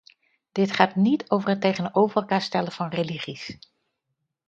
Dit gaat niet over het tegenover elkaar stellen van religies.